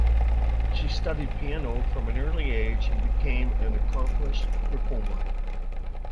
She studied piano from an early age and became an accomplished performer.